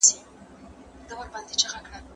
رسول الله د هر انسان حق ته درناوی کاوه.